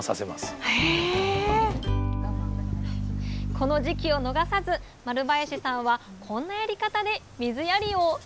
この時期を逃さず丸林さんはこんなやり方で水やりを！